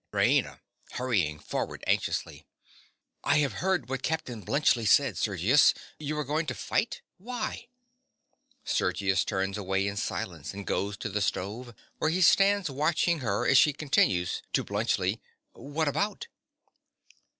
RAINA. (hurrying forward anxiously). I have heard what Captain Bluntschli said, Sergius. You are going to fight. Why? (Sergius turns away in silence, and goes to the stove, where he stands watching her as she continues, to Bluntschli) What about?